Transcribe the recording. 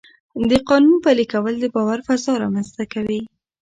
د قانون پلي کول د باور فضا رامنځته کوي